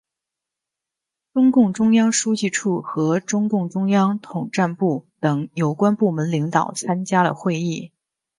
中共中央书记处和中共中央统战部等有关部门领导参加了会议。